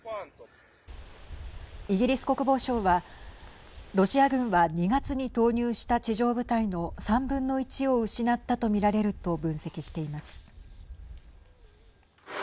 イギリス国防省はロシア軍は２月に投入した地上部隊の３分の１を失ったとみられると分析しています。